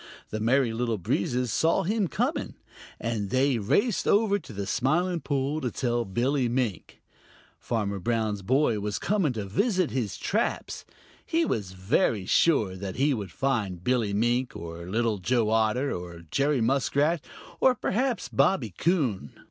The Merry Little Breezes saw him coming, and they raced over to the Smiling Pool to tell Billy Mink. Farmer Brown's boy was coming to visit his traps. He was very sure that he would find Billy Mink or Little Joe Otter, or Jerry Muskrat, or perhaps Bobby Coon.